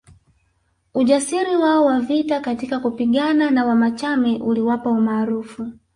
Ujasiri wao wa vita katika kupigana na Wamachame uliwapa umaarufu